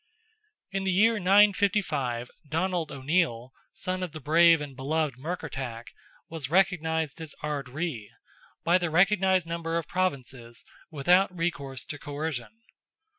In the year 955, Donald O'Neill, son of the brave and beloved Murkertach, was recognised as Ard Righ, by the required number of Provinces, without recourse to coercion.